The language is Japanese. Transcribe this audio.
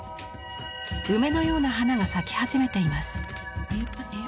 梅のような花が咲き始めています。